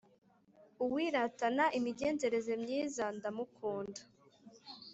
uwiratana imigenzereze myiza ndamukunda